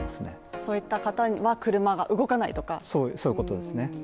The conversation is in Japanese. そういった方には車が動かないとか、そういうことですね。